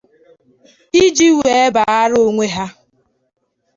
iji wee baara onwe ha